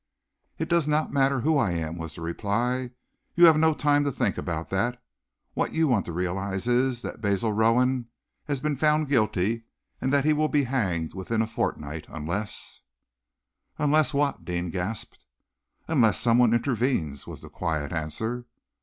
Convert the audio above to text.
"It does not matter who I am," was the reply. "You have no time to think about that. What you want to realize is that Basil Rowan has been found guilty, and that he will be hanged within a fortnight, unless " "Unless what?" Deane gasped. "Unless someone intervenes," was the quiet answer.